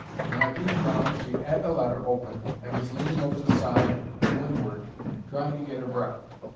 When I peeped round she 'ad got the letter open and was leaning over the side to wind'ard trying to get 'er breath.